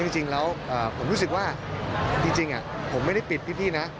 จริงแล้วผมรู้สึกว่าจริงผมไม่ได้ปิดพี่นะ